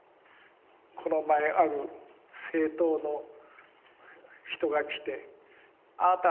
この前ある政党の人が来てあなた